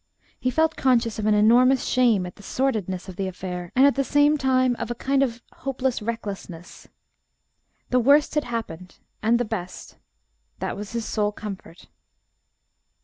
He felt conscious of an enormous shame at the sordidness of the affair, and at the same time of a kind of hopeless recklessness. The worst had happened and the best that was his sole comfort.